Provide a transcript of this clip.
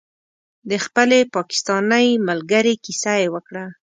د خپلې پاکستانۍ ملګرې کیسه یې وکړه.